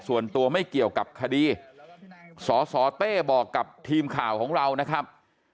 ส่วนตัวไม่เกี่ยวกับคดีสสเต้บอกกับทีมข่าวของเรานะครับ